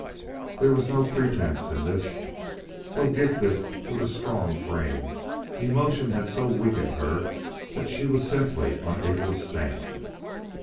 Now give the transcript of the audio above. There was no pretense in this. Though gifted with a strong frame, emotion had so weakened her that she was simply unable to stand.